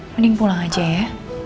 mending pulang aja ya